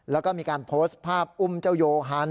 แล้วก็มีการโพสต์ภาพอุ้มเจ้าโยฮัน